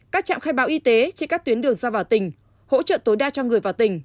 các trạm khai báo y tế trên các tuyến đường ra vào tỉnh hỗ trợ tối đa cho người vào tỉnh